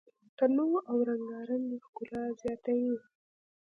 تنوع او رنګارنګي ښکلا زیاتوي.